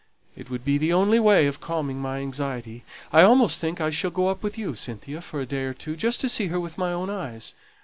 It would be the only way of calming my anxiety. I almost think I shall go up with you, Cynthia, for a day or two, just to see her with my own eyes.